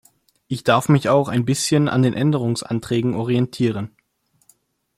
Ich darf mich auch ein bisschen an den Änderungsanträgen orientieren.